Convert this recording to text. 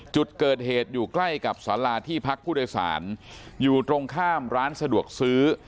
จุดเกิดเหตุอยู่ใกล้กับสาราที่พักผู้โดยสารอยู่ตรงข้ามร้านสะดวกซื้อ